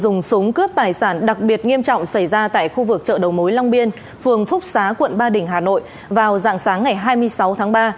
dùng súng cướp tài sản đặc biệt nghiêm trọng xảy ra tại khu vực chợ đầu mối long biên phường phúc xá quận ba đình hà nội vào dạng sáng ngày hai mươi sáu tháng ba